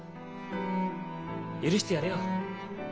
許してやれよ。